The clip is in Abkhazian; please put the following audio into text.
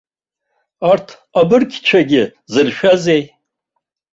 Арҭ абыргцәагьы зыршәазеи!